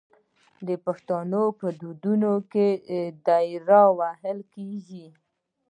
د پښتنو په ودونو کې دریا وهل کیږي.